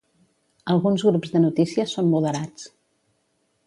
Alguns grups de notícies són moderats.